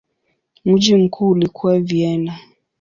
Mji mkuu ulikuwa Vienna.